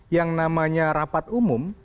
yang namanya rapat umum